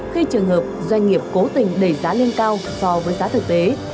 khi trường hợp doanh nghiệp cố tình đẩy giá lên cao so với giá thực tế